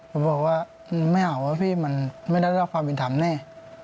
ผมบอกว่าไม่เอาว่าพี่มันไม่ได้รับความเป็นธรรมแน่